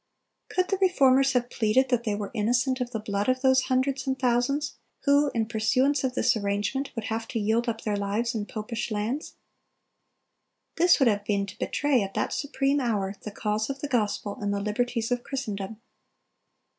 Could the Reformers have pleaded that they were innocent of the blood of those hundreds and thousands who, in pursuance of this arrangement, would have to yield up their lives in popish lands? This would have been to betray, at that supreme hour, the cause of the gospel and the liberties of Christendom."